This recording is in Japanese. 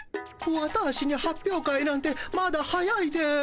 ワターシに発表会なんてまだ早いです。